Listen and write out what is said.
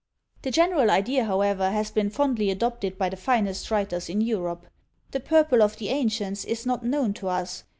The general idea, however, has been fondly adopted by the finest writers in Europe. The PURPLE of the ancients is not known to us.